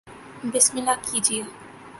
بسم اللہ کیجئے